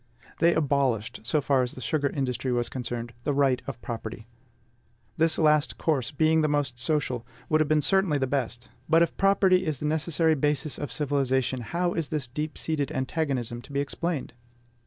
They abolished, so far as the sugar industry was concerned, the right of property. This last course, being the most social, would have been certainly the best; but, if property is the necessary basis of civilization, how is this deep seated antagonism to be explained?